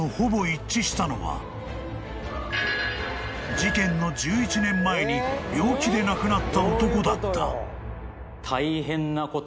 ［事件の１１年前に病気で亡くなった男だった］